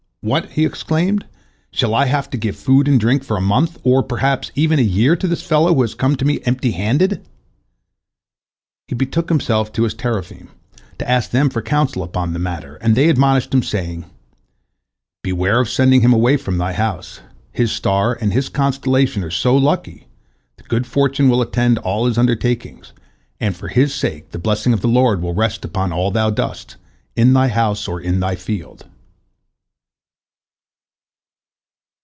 "What," he exclaimed, "shall I have to give food and drink for a month or, perhaps, even a year to this fellow, who has come to me empty handed!" He betook himself to his teraphim, to ask them for counsel upon the matter, and they admonished him, saying: "Beware of sending him away from thy house. His star and his constellation are so lucky that good fortune will attend all his undertakings, and for his sake the blessing of the Lord will rest upon all thou doest, in thy house or in thy field."